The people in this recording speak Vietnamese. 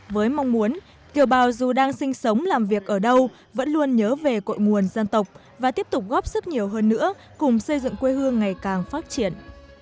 với mong muốn kiều bào dù đang sinh sống làm việc ở đâu vẫn luôn nhớ về cội nguồn dân tộc và tiếp tục góp sức nhiều hơn nữa cùng xây dựng quê hương ngày càng phát triển